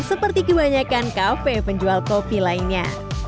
seperti kebanyakan kafe penjual kopi lainnya